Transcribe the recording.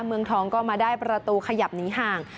เมืองทองก็มาได้ประตูขยับหนีห่าง